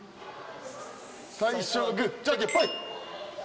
最初はグーじゃんけんぽい。